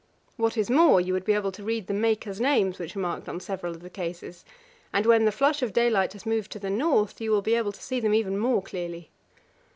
What is more, you would be able to read the makers' names which are marked on several of the cases, and when the flush of daylight has moved to the north, you will be able to see them even more clearly.